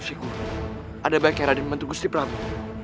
kau akan menghentikanku